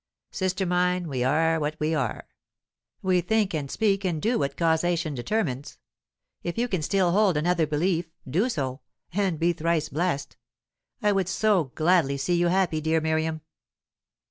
Sister mine, we are what we are; we think and speak and do what causation determines. If you can still hold another belief, do so, and be thrice blessed. I would so gladly see you happy, dear Miriam."